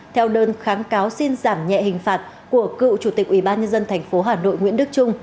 theo đơn kháng cáo xin giảm nhẹ hình phạt của cựu chủ tịch ủy ban nhân dân tp hà nội nguyễn đức trung